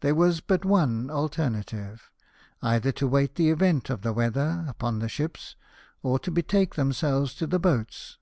There was but one alternative ; either to wait the event of the weather upon the ships, or to betake themselves to the boats.